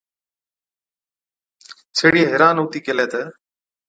سِيهڙِيئَي حيران هُتِي ڪيهلَي تہ،